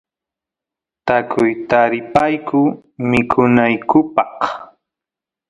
tukuy taripayku mikunaykupaq